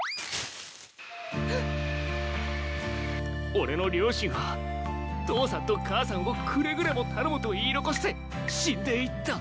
俺の両親は父さんと母さんをくれぐれも頼むと言い残して死んでいった。